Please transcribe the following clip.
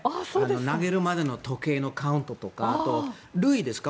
投げるまでの時計のカウントとかあと、塁ですか